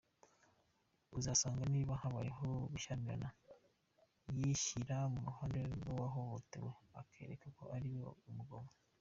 Uzasanga niba habayeho gushyamirana yishyira mu ruhande rw’uwahohotewe akwereke ko ari wowe mugome.